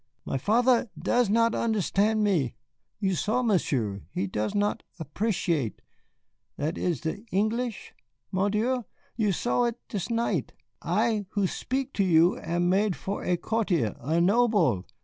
My father does not understan' me, you saw, Monsieur, he does not appreciate that is the Engleesh. Mon Dieu, you saw it this night. I, who spik to you, am made for a courtier, a noble.